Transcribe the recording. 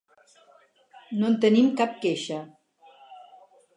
No en tenim cap queixa.